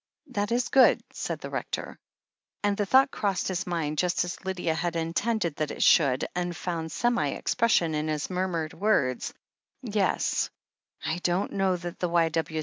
"That is good," said the Rector. And the thought crossed his mind, just as Lydia had intended that it should, and found semi expression in his murmured words: "Yes — I don't know that the Y.